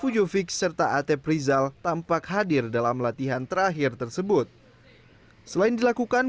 pujofik serta atep rizal tampak hadir dalam latihan terakhir tersebut selain dilakukan